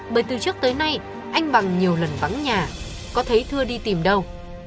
bởi từ trước tới nay anh bằng nhiều lần vắng nhà có thấy thưa đi tìm đâu